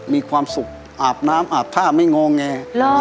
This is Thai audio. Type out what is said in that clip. มีความสุขอาบน้ำอาบท่าไม่งอแง